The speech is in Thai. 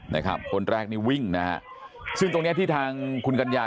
นะครับคนแรกนี่วิ่งนะฮะซึ่งตรงเนี้ยที่ทางคุณกัญญา